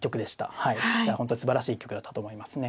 本当にすばらしい一局だったと思いますね。